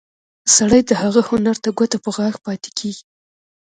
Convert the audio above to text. سړی د هغه هنر ته ګوته په غاښ پاتې کېږي.